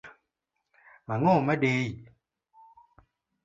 Ang’o madei?